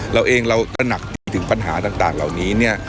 เราเองเราตระหนักถึงปัญหาต่างเหล่านี้เนี่ย